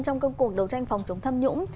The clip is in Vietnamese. trong cuộc đấu tranh phòng chống tham nhũng